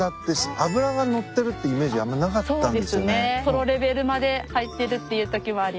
とろレベルまで入ってるっていうときもあります。